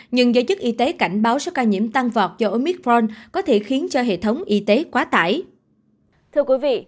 nhưng giới chức y tế cảnh báo số ca nhiễm tăng vọt do omitforn có thể khiến cho hệ thống y tế quá tải